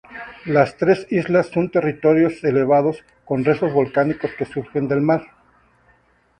Las tres islas son territorios elevados con restos volcánicos que surgen del mar.